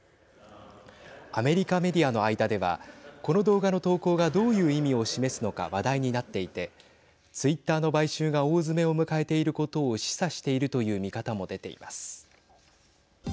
アメリカメディアの間ではこの動画の投稿が、どういう意味を示すのか話題になっていてツイッターの買収が大詰めを迎えていることを示唆しているという見方も出ています。